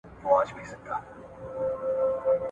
ولي لېواله انسان د ذهین سړي په پرتله ژر بریالی کېږي؟